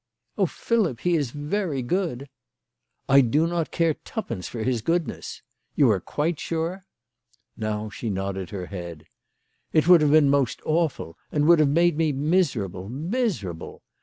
" Oh, Philip ; he is very good !"" I do not care two pence for his goodness. You are quite sure ?" JSTow she nodded her head. " It would have been most awful, and would have made me miserable ; miserable.